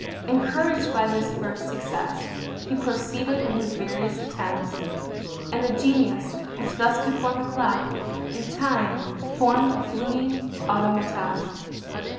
Encouraged by this first success, he proceeded in his various attempts; and the genius, which thus could form a clock, in time formed a fluting automaton.